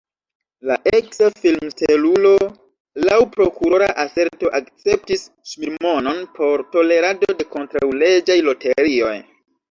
La eksa filmstelulo laŭ prokurora aserto akceptis ŝmirmonon por tolerado de kontraŭleĝaj loterioj.